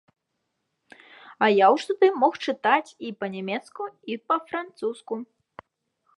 А я ўжо тады мог чытаць і па-нямецку, і па-французску.